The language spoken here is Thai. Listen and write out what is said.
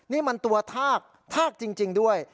นี่มันตัวทากทากจริงด้วย